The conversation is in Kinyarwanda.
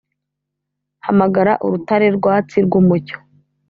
hamagara urutare rwatsi rwumucyo.